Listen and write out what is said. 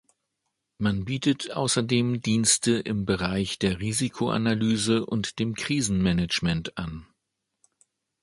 Man bietet außerdem Dienste im Bereich der Risikoanalyse und dem Krisenmanagement an.